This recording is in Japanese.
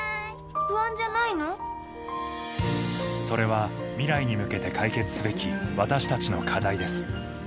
それは未来に向けて解決すべき私たちの課題です